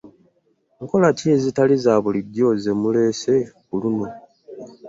Nkola ki ezitali za bulijo zemuleese ku luno?